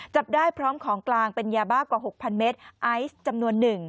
จับได้พร้อมของกลางเป็นยาบ้ากว่า๖๐๐เมตรไอซ์จำนวน๑